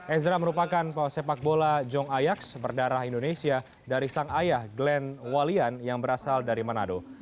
ezra merupakan sepak bola jong ayaks berdarah indonesia dari sang ayah glenn walian yang berasal dari manado